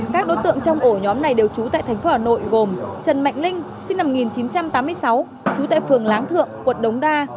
các đối tượng trong ổ nhóm này đều trú tại thành phố hà nội gồm trần mạnh linh sinh năm một nghìn chín trăm tám mươi sáu trú tại phường láng thượng quận đống đa